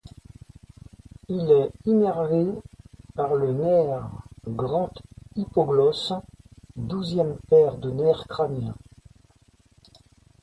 Il est innervé par le nerf grand hypoglosse, douzième paire de nerfs crâniens.